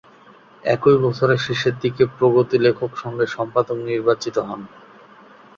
একই বছরের শেষের দিকে প্রগতি লেখক সংঘের সম্পাদক নির্বাচিত হন।